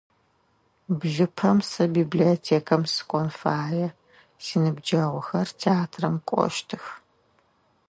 Блыпэм сэ библиотекам сыкӏон фае, синыбджэгъухэр театрам кӏощтых.